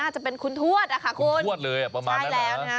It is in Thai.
น่าจะเป็นคุณทวดค่ะคุณคุณทวดเลยฮะประมาณนั้นเหรอใช่แล้วนะคะ